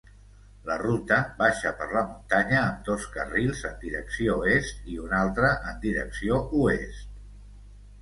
La ruta baixa per la muntanya amb dos carrils en direcció est i un altre en direcció oest.